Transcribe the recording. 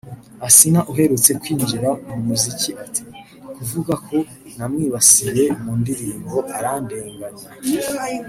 Asinah uherutse kwinjira mu muziki ati “Kuvuga ko namwibasiye mu ndirimbo arandenganya